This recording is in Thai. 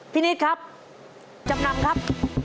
นิดครับจำนำครับ